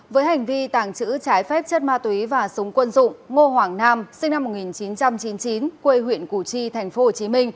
với hành vi tàng trữ trái phép chất ma túy và súng quân dụng ngô hoàng nam sinh năm một nghìn chín trăm chín mươi chín quê huyện củ chi tp hcm